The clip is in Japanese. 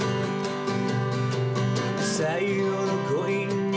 「最後のコインに」